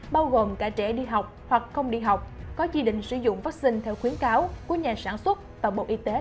bao gồm cả trẻ đi học hoặc không đi học có chỉ định sử dụng vaccine theo khuyến cáo của nhà sản xuất và bộ y tế